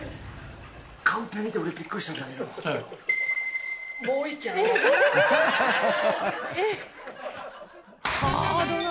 カンペ見て俺、びっくりしたんだけど、もう１軒あるらしいぞ。